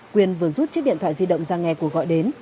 quyên vừa rút chiếc điện thoại di động ra nghe của gọi đến